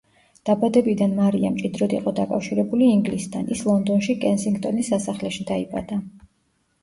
დაბადებიდან მარია მჭიდროდ იყო დაკავშირებული ინგლისთან: ის ლონდონში კენსინგტონის სასახლეში დაიბადა.